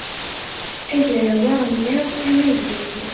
agraw aɣelnaw amagday